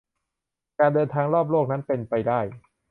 การเดินทางรอบโลกนั้นเป็นไปได้